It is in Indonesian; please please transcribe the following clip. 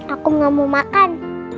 aku gak mau makan